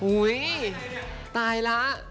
อุ๊ยตายแล้ว